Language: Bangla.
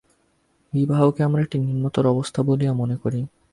বিবাহকে আমরা একটি নিম্নতর অবস্থা বলিয়া মনে করি।